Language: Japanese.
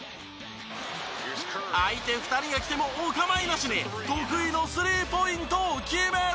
相手２人が来てもお構いなしに得意のスリーポイントを決める！